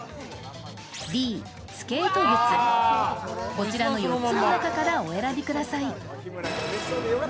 こちらの４つの中からお選びください。